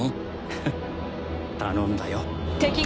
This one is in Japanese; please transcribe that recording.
フッ頼んだよ。